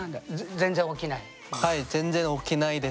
全然起きない？